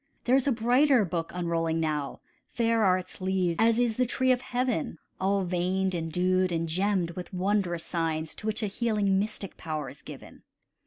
There is a brighter book unrolling now; Fair are its leaves as is the tree of heaven, All veined and dewed and gemmed with wondrous signs, To which a healing mystic power is given.